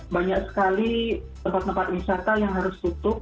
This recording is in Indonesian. banyak sekali tempat tempat wisata yang harus tutup